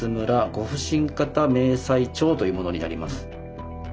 御普請方明細帳」というものになります。